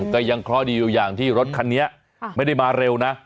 ก็ยังเคราะห์ดีอยู่อย่างที่รถคันนี้ไม่ได้มาเร็วนะ